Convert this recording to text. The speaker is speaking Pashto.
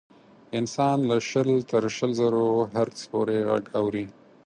انسان له شل تر شل زرو هرتز پورې غږ اوري.